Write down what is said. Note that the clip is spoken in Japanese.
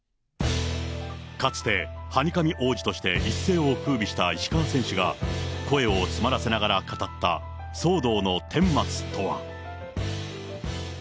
かつてハニカミ王子として一世をふうびした石川選手が、声を詰まらせながら語った騒動の顛末とは。